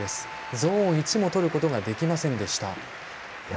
ゾーン１もとることができませんでした。